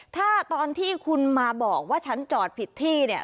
ถ้าตอนที่คุณมาบอกว่าฉันจอดผิดที่เนี่ย